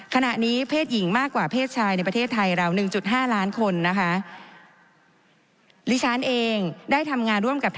ขณะนี้เพศหญิงมากกว่าเพศชายในประเทศไทยเรา๑๕ล้านคนนะคะ